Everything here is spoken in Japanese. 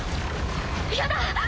やだ！